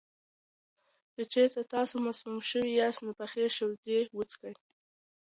که چېرې تاسو مسموم شوي یاست، نو پخه شوې شیدې وڅښئ.